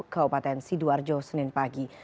kaupaten sidoarjo senin pagi